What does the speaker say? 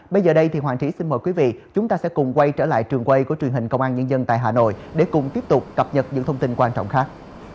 bây giờ đây thì hoàng trí xin mời quý vị chúng ta sẽ cùng quay trở lại trường quay của truyền hình công an nhân dân tại hà nội để cùng tiếp tục cập nhật những thông tin quan trọng khác